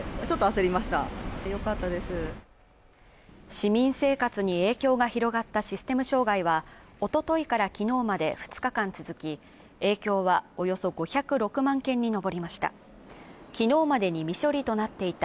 市民生活に影響が広がったシステム障害はおとといからきのうまで２日間続き影響はおよそ５０６万件に上りました昨日までに未処理となっていた